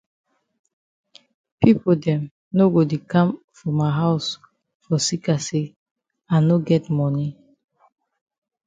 Pipo dem no go di kam for ma haus for seka say I no get moni.